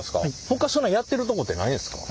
ほかそんなやってるとこってないんすか？